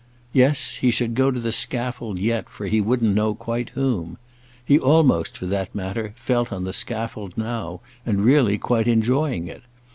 Yes, he should go to the scaffold yet for he wouldn't know quite whom. He almost, for that matter, felt on the scaffold now and really quite enjoying it.